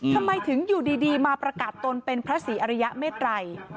ทำไมถึงอยู่ดีมาประกาศตนเป็นพระศรีอริยเมตรัย